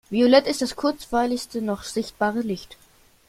Violett ist das kurzwelligste noch sichtbare Licht.